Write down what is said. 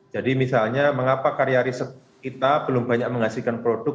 jadi misalnya mengapa karya riset kita belum banyak menghasilkan produk